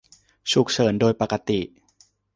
ฉุกเฉินโดยปกติ